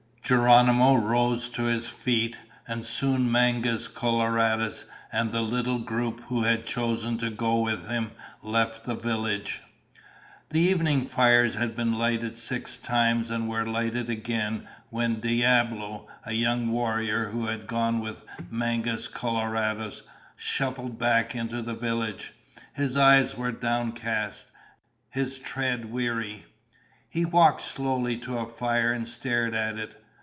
Geronimo rose to his feet and soon Mangus Coloradus and the little group who had chosen to go with him left the village. The evening fires had been lighted six times and were lighted again when Diablo, a young warrior who had gone with Mangus Coloradus, shuffled back into the village. His eyes were downcast, his tread weary. He walked slowly to a fire and stared at it.